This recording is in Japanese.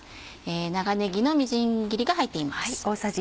長ねぎのみじん切りが入っています。